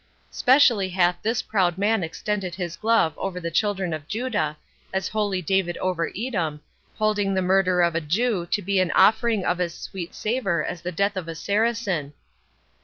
Specially hath this proud man extended his glove over the children of Judah, as holy David over Edom, holding the murder of a Jew to be an offering of as sweet savour as the death of a Saracen.